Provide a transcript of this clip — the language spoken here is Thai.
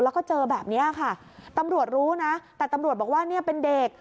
แล้วก็เจอแบบนี้ค่ะตำรวจรู้นะแต่ตำรวจบอกว่าเนี่ยเป็นเด็ก